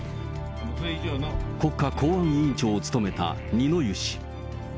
国家公安委員長を務めた二之湯氏。